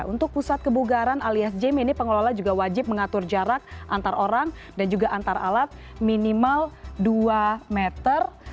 untuk pusat kebugaran alias game ini pengelola juga wajib mengatur jarak antar orang dan juga antar alat minimal dua meter